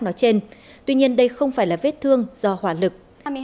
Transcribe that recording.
nói trên tuy nhiên đây không phải là vết thương do hỏa lực